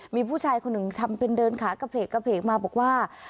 มีผู้ชายคนนึงทำเป็นเดินขาเกรกเกรกเกรกมาบอกว่า